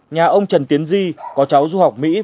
nhà ông trần tiến di có cháu du học mỹ